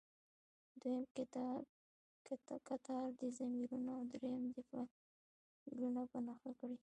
دویم کتار دې ضمیرونه او دریم دې فعلونه په نښه کړي.